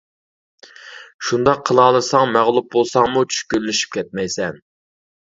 شۇنداق قىلالىساڭ مەغلۇپ بولساڭمۇ چۈشكۈنلىشىپ كەتمەيسەن.